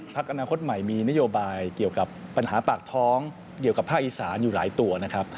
อนาคตใหม่มีนโยบายเกี่ยวกับปัญหาปากท้องเกี่ยวกับภาคอีสานอยู่หลายตัวนะครับ